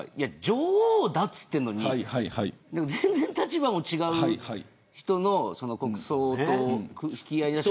女王だっつってんのに全然立場も違う人の国葬を引き合いに出す。